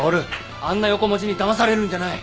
あんな横文字にだまされるんじゃない！